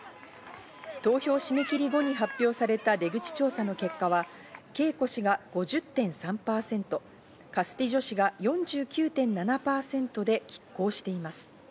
投票締め切り後に発表された出口調査の結果は、ケイコ氏が５０．３％、カスティジョ氏が４９．７％で拮抗しています。